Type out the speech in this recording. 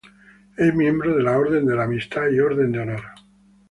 Es miembro de la Orden de la Amistad y Orden de Honor.